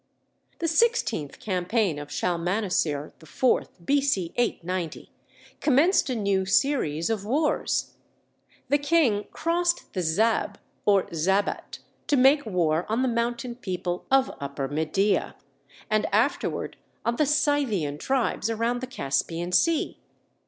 The sixteenth campaign of Shalmaneser IV (B.C. 890) commenced a new series of wars; the King crossed the Zab, or Zabat; to make war on the mountain people of Upper Media, and afterward on the Scythian tribes around the Caspian Sea.